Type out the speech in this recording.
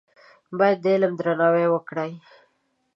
باید د علم درناوی وکړې.